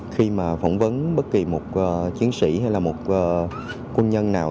khi mà phỏng vấn bất kỳ một chiến sĩ hay là một quân nhân nào